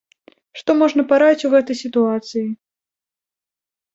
Што можна параіць у гэтай сітуацыі?